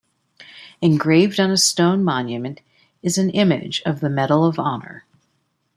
Engraved on his stone monument is an image of the Medal of Honor.